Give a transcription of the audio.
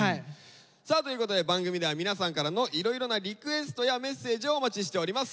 さあということで番組では皆さんからのいろいろなリクエストやメッセージをお待ちしております。